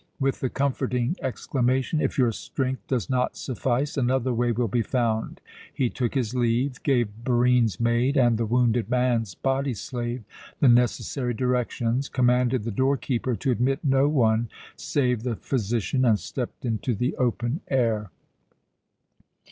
With the comforting exclamation, "If your strength does not suffice, another way will be found," he took his leave, gave Barine's maid and the wounded man's body slave the necessary directions, commanded the door keeper to admit no one save the physician, and stepped into the open air.